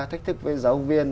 thách thức với giáo viên